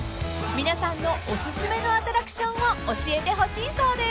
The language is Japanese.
［皆さんのおすすめのアトラクションを教えてほしいそうです］